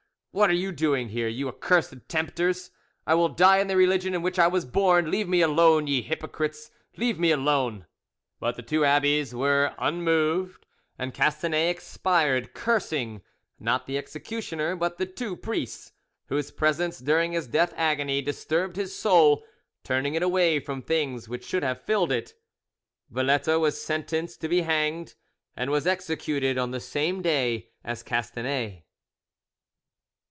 What are you doing here, you accursed tempters? I will die in the religion in which I was born. Leave me alone, ye hypocrites, leave me alone!" But the two abbes were unmoved, and Castanet expired cursing, not the executioner but the two priests, whose presence during his death agony disturbed his soul, turning it away from things which should have filled it. Valette was sentenced to be hanged, and was executed on the same day as Castanet.